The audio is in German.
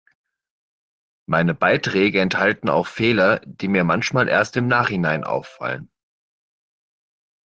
Meine Beiträge enthalten auch Fehler, die mir manchmal erst im Nachhinein auffallen.